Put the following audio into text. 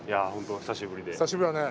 久しぶりで。